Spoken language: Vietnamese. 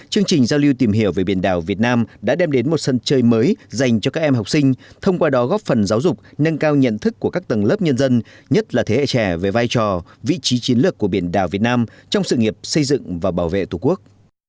chương trình giao lưu tìm hiểu về biển đảo việt nam đã đem đến một sân chơi mới dành cho các em học sinh thông qua đó góp phần giáo dục nâng cao nhận thức của các tầng lớp nhân dân nhất là thế hệ trẻ về vai trò vị trí chiến lược của biển đảo việt nam trong sự nghiệp xây dựng và bảo vệ tổ quốc